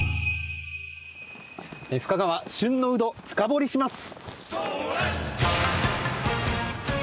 深川旬のウド深掘りします！